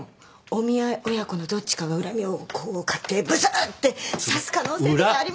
お見合い親子のどっちかが恨みをこう買ってぶすって刺す可能性とかありますからね。